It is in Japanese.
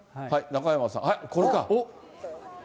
中山さん、これか。